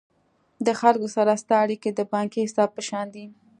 د خلکو سره ستا اړیکي د بانکي حساب په شان دي.